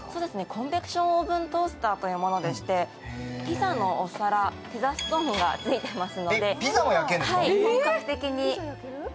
コンベクションオーブントースターというものでして、ピザのお皿がついています。